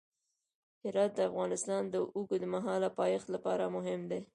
هرات د افغانستان د اوږدمهاله پایښت لپاره مهم دی.